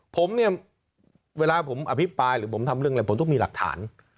ผมเนี่ยเวลาผมอภิปรายหรือผมทำเรื่องอะไรผมต้องมีหลักฐาน